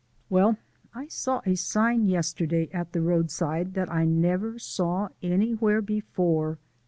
Well, I saw a sign yesterday at the roadside that I never saw anywhere before.